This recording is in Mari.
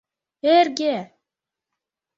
Эрге!